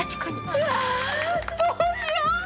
うわどうしよう！